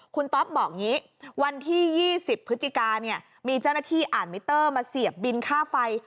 คุณต๊อปบอกอย่างนี้วันที่๒๐พฤศจิกาเนี่ยมีเจ้าหน้าที่อ่านมิเตอร์มาเสียบบินค่าไฟ